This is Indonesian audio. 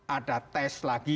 ada tes lagi